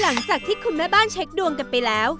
หลังจากที่คุณแม่บ้านเช็คดวงกันไปแล้ว